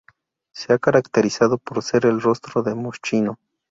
Se ha caracterizado por ser el rostro de Moschino.